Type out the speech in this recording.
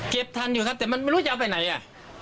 ทันอยู่ครับแต่มันไม่รู้จะเอาไปไหนอ่ะ